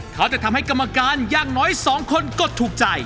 เขาจะทำให้กรรมการอย่างน้อยสองคนกดถูกใจ